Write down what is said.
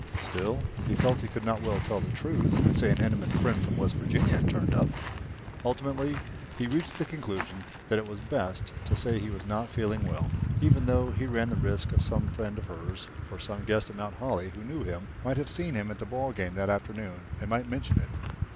Still, he felt that he could not well tell the truth and say an intimate friend from West Virginia had turned up. Ultimately, he reached the conclusion that it was best to say he was not feeling well, even though he ran the risk that some friend of hers, or some guest at Mount Holly who knew him, might have seen him at the ball game that afternoon and might mention it.